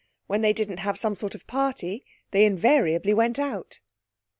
When they didn't have some sort of party they invariably went out.